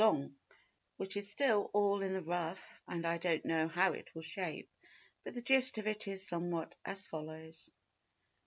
long, which is still all in the rough and I don't know how it will shape, but the gist of it is somewhat as follows:— 1.